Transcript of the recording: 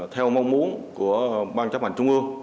theo mong muốn của ban chấp hành trung ương